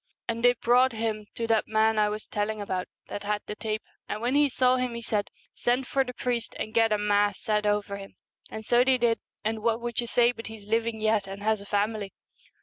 And they brought him to that man I was telling about, that had the tape, and when he saw him he said, " Send for the priest, and get a Mass said over him." And so they did, and what would you say but he's living yet and has a family